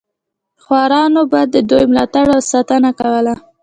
خوارانو به د دوی ملاتړ او ساتنه کوله.